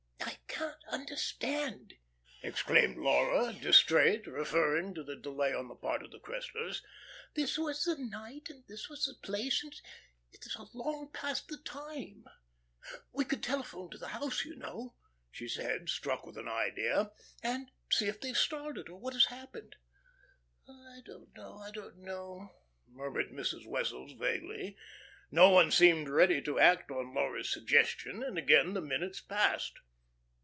"I can't understand," exclaimed Laura distrait, referring to the delay on the part of the Cresslers. "This was the night, and this was the place, and it is long past the time. We could telephone to the house, you know," she said, struck with an idea, "and see if they've started, or what has happened." "I don't know I don't know," murmured Mrs. Wessels vaguely. No one seemed ready to act upon Laura's suggestion, and again the minutes passed.